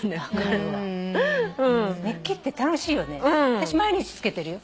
私毎日つけてるよ。